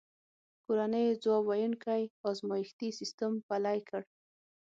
کورنیو ځواب ویونکی ازمایښتي سیستم پلی کړ.